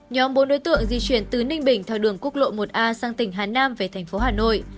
nhóm bốn đối tượng di chuyển từ ninh bình theo đường quốc lộ một a sang tỉnh hà nam về thành phố hà nội